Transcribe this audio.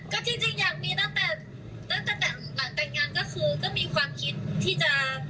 ก็จริงอยากมีตั้งแต่การงานก็คือมีความคิดที่จะ